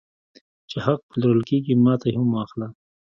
چې حق پلورل کېږي ماته یې هم واخله